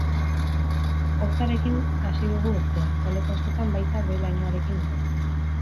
Hotzarekin hasi dugu urtea, eta leku askotan baita behe-lainoarekin ere.